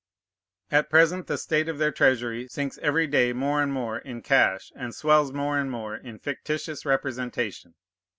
At present the state of their treasury sinks every day more and more in cash, and swells more and more in fictitious representation.